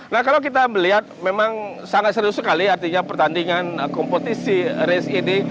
nah kalau kita melihat memang sangat seru sekali artinya pertandingan kompetisi race ini